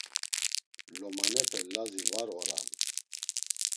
Lomanepe Lazi var oran.